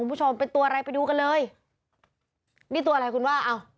คุณผู้ชมเป็นตัวอะไรไปดูกันเลยนี่ตัวอะไรคุณว่าอ้าว